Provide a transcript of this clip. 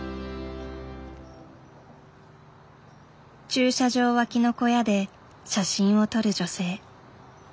駐車場脇の小屋で写真を撮る女性。